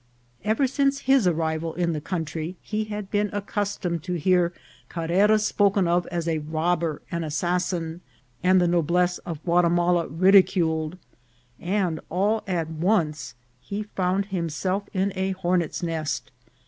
Ever since his arrival in the country he had been accustomed to hear Carrera spoken of as a robber and assassin, and the noblesse of Guatimala rid iculed, and all at once he found himself in a hornet's nest.